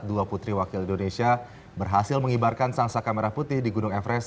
dua putri wakil indonesia berhasil mengibarkan sangsa kamera putih di gunung everest